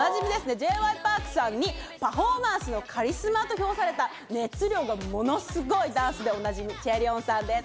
Ｊ．Ｙ．Ｐａｒｋさんにパフォーマンスのカリスマと評された熱量がものすごいダンスでおなじみ、チェリョンさんです。